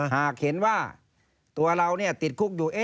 หากเห็นว่าตัวเราติดคุกอยู่